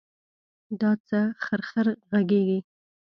دا څه خرخر غږېږې.